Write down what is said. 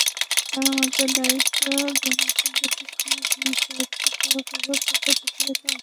তাঁর মতে, দারিদ্র্য বিমোচনে প্রশিক্ষণের ভূমিকা হচ্ছে কারও কারও পকেট ভারী করা।